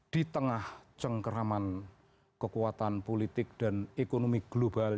di tengah cengkeraman kekuatan politik dan ekonomi global